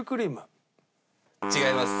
違います。